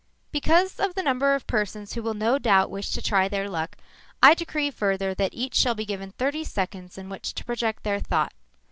_ "_Because of the number of persons who will no doubt wish to try their luck, I decree further that each shall be given thirty seconds in which to project their thought.